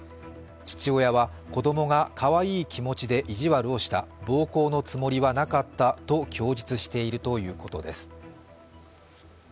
父親は、子供がかわいい気持ちで意地悪をした暴行のつもりはなかったと供述しているということです。